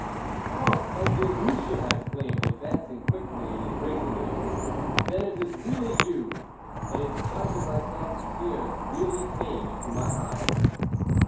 "Oh, my dear Lucien," I exclaimed, advancing quickly, and embracing him. "Then it is really you." And, in spite of myself, tears really came into my eyes.